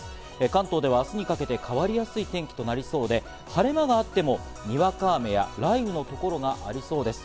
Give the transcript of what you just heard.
関東では明日にかけて変わりやすい天気となりそうで、晴れ間があっても、にわか雨や雷雨の所がありそうです。